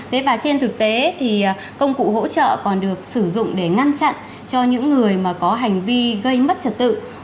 thế và trên thực tế thì công cụ hỗ trợ còn được sử dụng để ngăn chặn cho những người mà có hành vi gây mất trật tự